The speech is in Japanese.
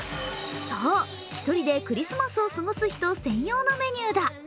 そう、１人でクリスマスを過ごす人専用のメニューだ。